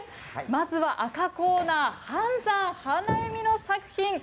まずは赤コーナー飯山花笑みの作品。